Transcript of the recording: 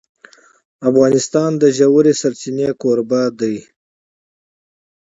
افغانستان د ژورې سرچینې کوربه دی.